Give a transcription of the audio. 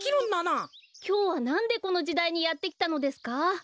きょうはなんでこのじだいにやってきたのですか？